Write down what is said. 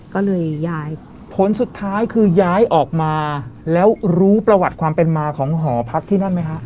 ก็เลยย้ายผลสุดท้ายคือย้ายออกมาแล้วรู้ประวัติความเป็นมาของหอพักที่นั่นไหมฮะ